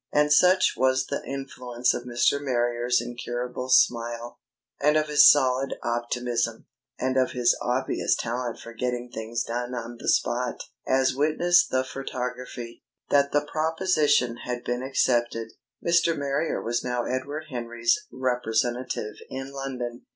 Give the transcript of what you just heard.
And such was the influence of Mr. Marrier's incurable smile, and of his solid optimism, and of his obvious talent for getting things done on the spot (as witness the photography), that the proposition had been accepted. Mr. Marrier was now Edward Henry's "representative" in London.